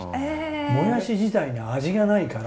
もやし自体に味がないから。